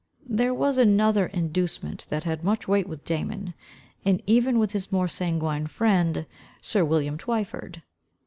There was another inducement that had much weight with Damon, and even with his more sanguine friend, sir William Twyford.